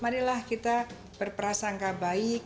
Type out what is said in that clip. marilah kita berperasangka baik